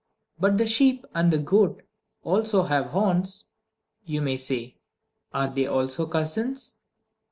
"But the sheep and the goat also have horns," you may say. "Are they also cousins?"